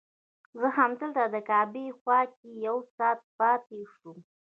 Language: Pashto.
زه همدلته د کعبې خوا کې یو ساعت پاتې شوم.